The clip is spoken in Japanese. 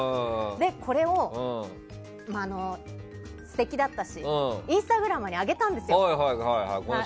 これを、素敵だったしインスタグラムに上げたんですよ。